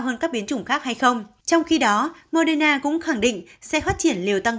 hơn các biến chủng khác hay không trong khi đó moderna cũng khẳng định xe phát triển liều tăng